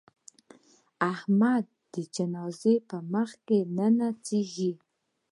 احمد د جنازې په مخ کې نڅېږي.